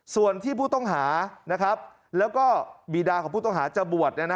ส่วนที่ผู้ต้องหาและบีดาผู้ต้องหาจบวท